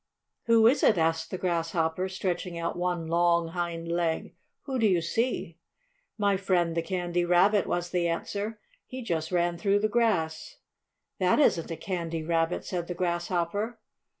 "Who is it?" asked the Grasshopper, stretching out one long hind leg. "Who do you see?" "My friend, the Candy Rabbit," was the answer. "He just ran through the grass." "That isn't a Candy Rabbit," said the Grasshopper.